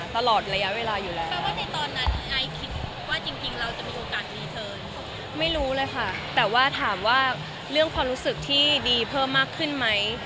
แต่ถามเรื่องความรู้สึกที่ดีเพิ่มมากขึ้นไหม